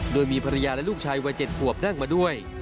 โดยมีภรรยาและลูกชายวัย๗ขวบนั่งมาด้วย